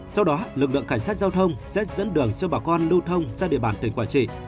sau đó lực lượng cảnh sát giao thông sẽ dẫn đường cho bà con lưu thông sang địa bàn tỉnh quảng trị